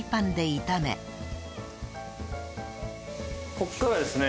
ここからですね。